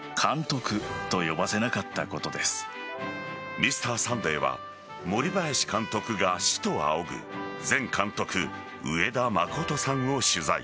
「Ｍｒ．サンデー」は森林監督が師と仰ぐ前監督・上田誠さんを取材。